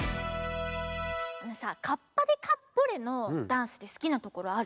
あのさ「かっぱでかっぽれ」のダンスですきなところある？